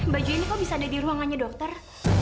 baju ini kok bisa ada di ruangannya dokter